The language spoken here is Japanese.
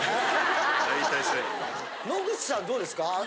野口さんはどうですか？